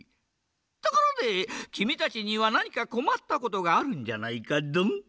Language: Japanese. ところできみたちにはなにかこまったことがあるんじゃないかドン？